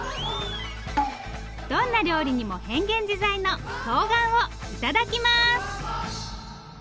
どんな料理にも変幻自在のとうがんをいただきます！